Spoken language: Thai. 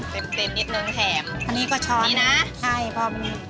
เต็มเต็มนิดหนึ่งแทบอันนี้ก็ช้อนนี่นะใช่พอมี